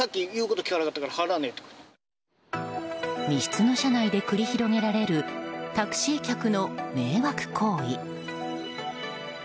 密室の車内で繰り広げられるタクシー客の迷惑行為。